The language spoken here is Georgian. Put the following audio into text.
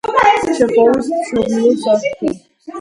ჩეხოვის მშობლიურ სახლთან.